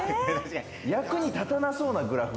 役に立たなそうなグラフ。